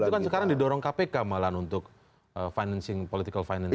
itu kan sekarang didorong kpk malah untuk financing political financing